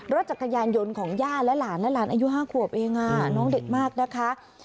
รถจักรยานยนต์ของย่าและหลานและหลานอายุ๕ขวบเองน้องเด็กมากนะคะ